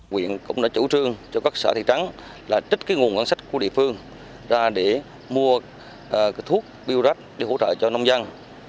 quyện cũng đã chủ trương cho các sở thị trắng là trích cái nguồn ăn sách của địa phương ra để mua thuốc biurac để hỗ trợ cho nông dân